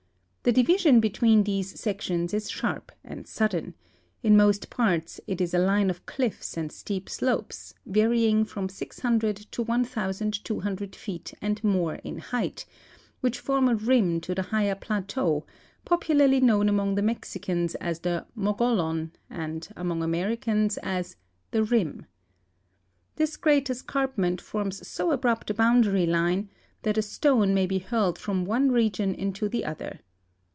The division be tween these sections is sharp and sudden ] in most parts it is a line of cliffs and steep slopes, varying from 600 to 1,200 feet and more in height, which form a rim to the higher plateau, popu larly known among the Mexicans as the Mogollon and among Americans as " the rim." This great escarpment forms so abrupt a boundary line that a stone may be hurled from one region into the other.